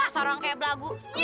asal orang kayak belagu